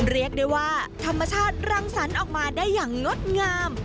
เรียกได้ว่าธรรมชาติรังสรรค์ออกมาได้อย่างงดงาม